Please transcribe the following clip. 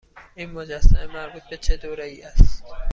این مجسمه مربوط به چه دوره ای است؟